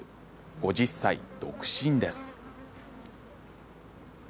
５０歳、独身です。